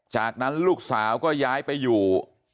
จากนั้นลูกสาวก็ย้ายไปอยู่